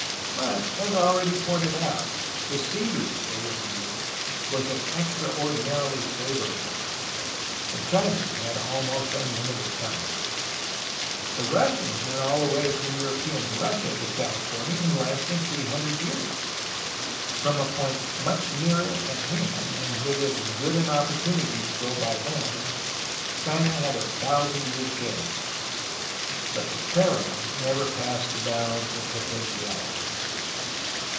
But, as already pointed out, the sea route they would have used was an extraordinarily fav orable one, and China had almost unlimited time. The Rus sians went all the way from European Russia to California in less than three hundred years. From a point much nearer at hand and with as good an opportunity to go by land, China had a thousand year chance. But the "peril" never passed the bounds of potentiality.